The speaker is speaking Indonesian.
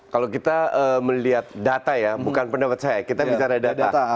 kalau kita melihat data ya bukan pendapat saya kita bicara data